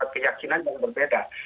keyakinan yang berbeda